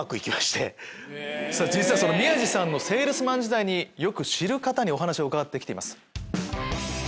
実はその宮治さんのセールスマン時代によく知る方にお話を伺って来ています。